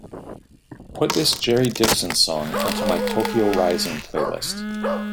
Put this Jerry Dixon song onto my Tokyo Rising playlist.